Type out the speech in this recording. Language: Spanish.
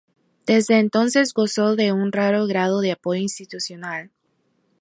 Desde entonces gozó de un raro grado de apoyo institucional.